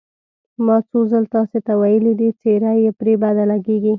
ما څو ځل تاسې ته ویلي دي، څېره یې پرې بده لګېږي.